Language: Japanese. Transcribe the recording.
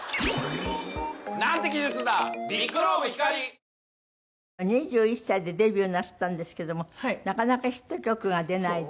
東京海上日動２１歳でデビューなすったんですけどもなかなかヒット曲が出ないで。